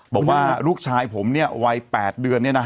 บอกว่าลูกชายผมวัย๘เดือน